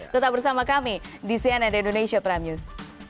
tetap bersama kami di cnn indonesia prime news